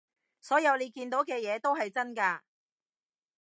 所有你見到嘅嘢都係真㗎